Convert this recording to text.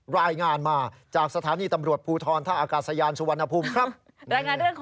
รายงานมาจากสถานีตำรวจภูทรท่าอากาศยานสุวรรณภูมิครับ